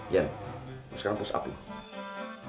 jen lo sekarang push up lo